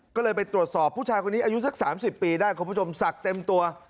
ก็เลยไปตรวจสอบผู้ชายคนนี้อายุสัก๓๐ปีได้คุณผู้ชมศักดิ์เต็มตัว